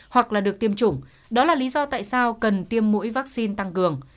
hoặc là được tiêm chủng đó là lý do tại sao cần tiêm mũi vaccine tăng cường